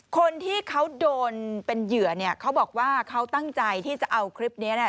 คนที่เขาโดนเป็นเหยื่อเนี่ยเขาบอกว่าเขาตั้งใจที่จะเอาคลิปนี้เนี่ย